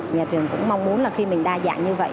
nhà trường cũng mong muốn là khi mình đa dạng như vậy